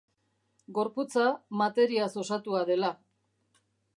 Gorputza materiaz osatua dela.